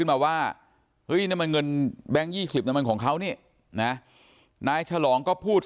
มาว่าเฮ้ยนั่นมันเงินแบงค์๒๐มันของเขานี่นะนายฉลองก็พูด